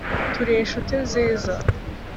turi inshuti nziza,